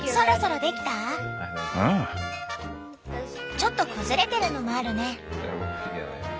ちょっと崩れてるのもあるね。